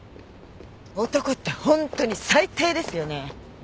男ってホントに最低ですよね。